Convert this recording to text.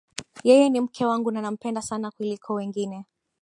Yeye ni mke wangu na nampenda sana kuliko wengine